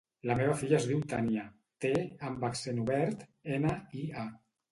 La meva filla es diu Tània: te, a amb accent obert, ena, i, a.